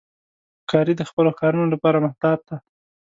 ښکاري د خپلو ښکارونو لپاره محتاط دی.